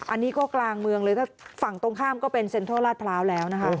อันนี้ก็กลางเมืองเลยถ้าฝั่งตรงข้ามก็เป็นเซ็นทรัลลาดพร้าวแล้วนะคะ